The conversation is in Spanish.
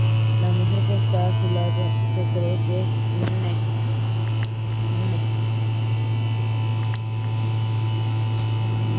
La mujer que está a su lado se cree que es Mme.